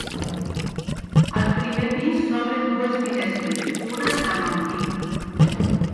Al primer pis s'obren dues finestres, una amb ampit.